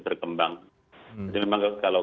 berkembang jadi memang kalau